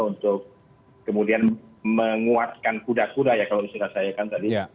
untuk kemudian menguatkan kuda kuda ya kalau diserahkan tadi